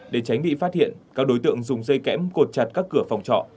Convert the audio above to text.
để tránh bị phát hiện các đối tượng dùng dây kẽm cột chặt các cửa phòng trọ